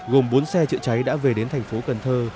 gồm bốn xe chữa cháy đã về đến thành phố cần thơ